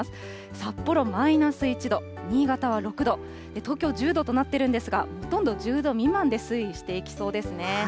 札幌マイナス１度、新潟は６度、東京１０度となってるんですが、ほとんど１０度未満で推移していきそうですね。